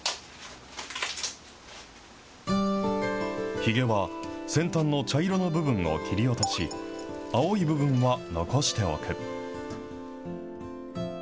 ひげは先端の茶色の部分を切り落とし、青い部分は残しておく。